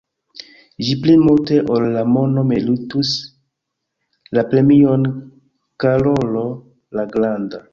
Ĝi pli multe ol la mono meritus la premion Karolo la Granda.